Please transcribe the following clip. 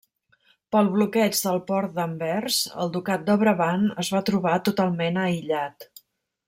Pel bloqueig del port d'Anvers el ducat de Brabant es va trobar totalment aïllat.